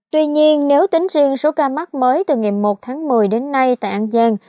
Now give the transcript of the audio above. tuy nhiên nếu tính riêng số ca mắc mới từ ngày một tháng một mươi đến nay tại an giang